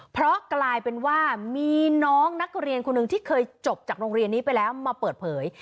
เพราะกลายเป็นว่ามีน้องนักเรียนคนหนึ่งที่เคยจบจากโรงเรียนนี้ไปแล้วมาเปิดเผย